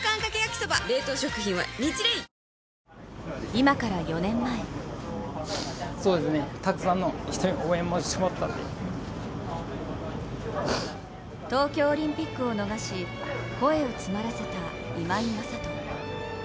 今から４年前東京オリンピックを逃し声を詰まらせた今井正人。